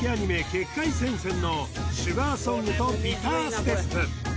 「血界戦線」の「シュガーソングとビターステップ」